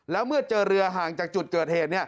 แล้วเมื่อเจอเรือห่างจากจุดเกิดเหตุ